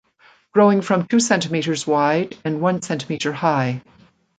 Growing from two centimetres wide and one centimetre high.